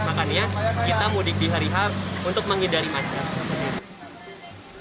makanya kita mudik di hari h untuk menghindari macet